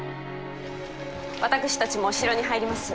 私たちも城に入ります。